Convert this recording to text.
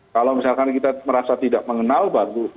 kalau misalkan kita merasa tidak mengenal baru